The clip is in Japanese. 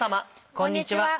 こんにちは。